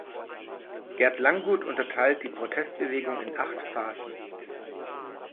Gerd Langguth unterteilt die Protestbewegung in acht Phasen.